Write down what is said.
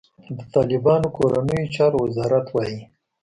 د طالبانو کورنیو چارو وزارت وايي،